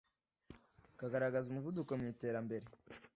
kagaragaza umuvuduko mu iterambere